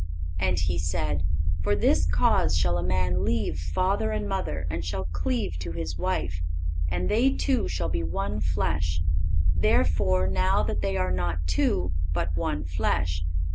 And He said: For this cause shall a man leave father and mother, and shall cleave to his wife, and they two shall be one flesh. Therefore now they are not two, but one flesh.